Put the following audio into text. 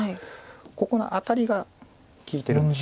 ここのアタリが利いてるんです。